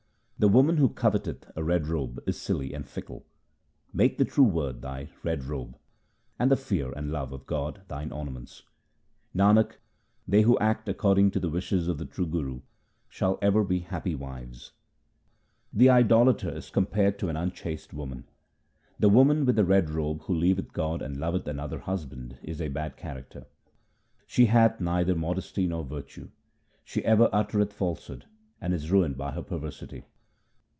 The woman who coveteth a red robe is silly and fickle. Make the true Word thy red robe, and the fear and love of God thine ornaments. Nanak, they who act according to the wishes of the true Guru shall ever be happy wives. Q 2 228 THE SIKH RELIGION The idolater is compared to an unchaste woman :— The woman with the red robe who leaveth God and loveth another husband is a bad character. She hath neither modesty nor virtue ; she ever uttereth falsehood, and is ruined by her perversity.